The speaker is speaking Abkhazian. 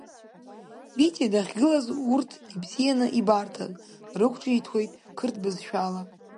Витиа дахьгылаз урҭ ибзианы ибарҭан, рықәҿиҭуеит қырҭ бызшәала…